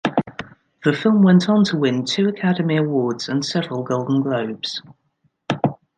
The film went on to win two Academy Awards and several Golden Globes.